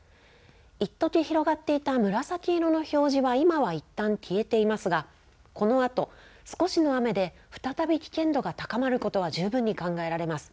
いっとき広がっていた紫色の表示は、今はいったん消えていますが、このあと少しの雨で再び危険度が高まることは十分に考えられます。